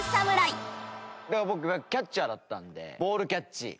僕がキャッチャーだったんでボールキャッチ。